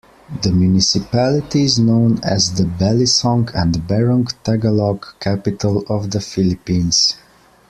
The municipality is known as the Balisong and Barong Tagalog Capital of the Philippines.